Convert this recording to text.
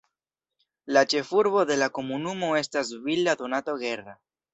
La ĉefurbo de la komunumo estas Villa Donato Guerra.